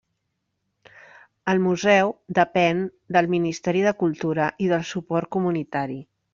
El museu depèn del Ministeri de Cultura i del suport comunitari.